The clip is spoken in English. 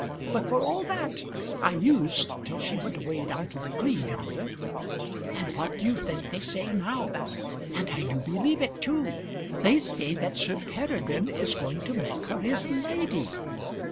But for all that I used till she went away down to The Cleeve yonder. And what do you think they say now? And I do believe it too. They say that Sir Peregrine is going to make her his lady.